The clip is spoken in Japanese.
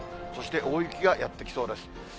そして大雪がやって来そうです。